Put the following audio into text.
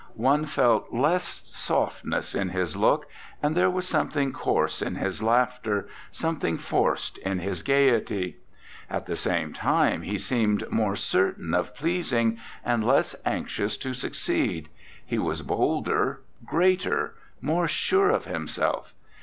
One felt less softness in his look, and there was something coarse in his laughter, something forced in his gaiety. At the same time he seemed more certain of pleasing, and less anxious to succeed; he was bolder, greater, more sure of himself.